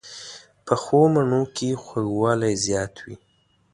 پخو مڼو کې خوږوالی زیات وي